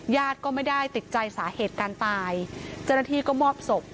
ญาติก็ไม่ได้ติดใจสาเหตุการตายเจ้าหน้าที่ก็มอบศพ